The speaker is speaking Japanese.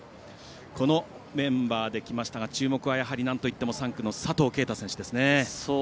このメンバーですが注目はなんといっても佐藤圭汰選手ですね。